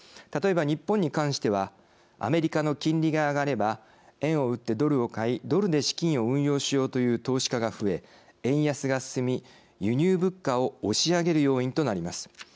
例えば日本に関してはアメリカの金利が上がれば円を売ってドルを買いドルで資金を運用しようという投資家が増え円安が進み、輸入物価を押し上げる要因となります。